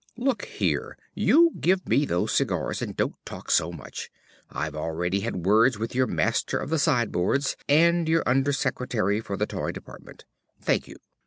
"Look here, you give me those cigars, and don't talk so much. I've already had words with your Master of the Sideboards and your Under Secretary for the Toy Department.... Thank you.